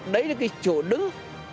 đấy là cái chỗ đứng